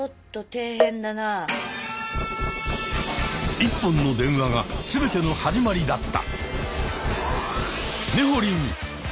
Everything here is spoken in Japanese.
１本の電話が全ての始まりだった。